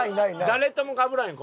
誰ともかぶらんよ